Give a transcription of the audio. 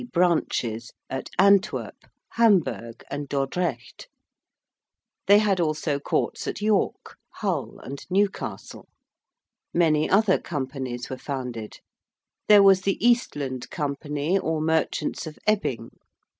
branches at Antwerp, Hamburg, and Dordrecht: they had also courts at York, Hull, and Newcastle. Many other companies were founded. There was the Eastland Company or merchants of Ebbing.